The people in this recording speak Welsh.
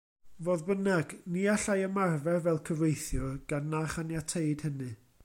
Fodd bynnag, ni allai ymarfer fel cyfreithiwr, gan na chaniateid hynny.